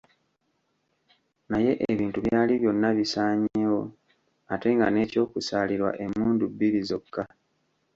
Naye ebintu byali byonna bisaanyeewo ate nga n'eky'okusaalirwa emmundu bbiri zokka.